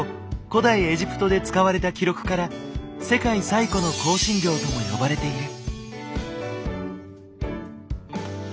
古代エジプトで使われた記録から「世界最古の香辛料」とも呼ばれている。